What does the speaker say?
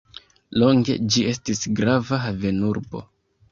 Longe ĝi estis grava havenurbo.